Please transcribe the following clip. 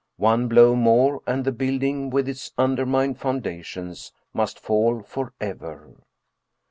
One blow more and the building with its undermined foundations must fall forever.